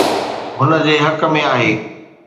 هن جي حق ۾ آهي.